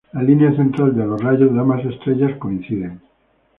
La línea central de los rayos de ambas estrellas coinciden.